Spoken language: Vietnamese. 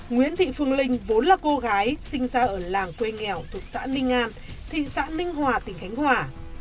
nguyễn thị phương linh vốn là cô gái sinh ra ở làng quê nghèo thuộc xã ninh an thị xã ninh hòa tỉnh khánh hòa